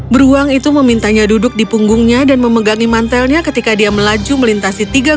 beruang itu memintanya duduk di punggungnya dan memegangi mantelnya ketika dia melaju melintasi tiga meter